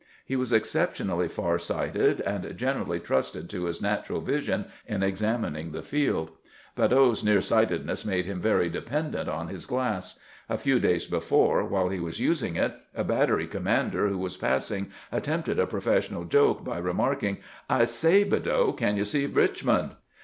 He was exceptionally far sighted, and generally trusted to his HOW THE "angle" WAS CAPTURED 109 natural vision in examining the field. Badeau's near sightedness made Mm very dependent on his glass. A few days before, while he was using it, a battery com mander who was passing attempted a professional joke by remarking, " I say, Badeau ; can you see Richmond